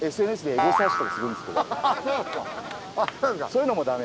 そういうのもダメ？